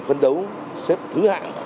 phân đấu xếp thứ hạng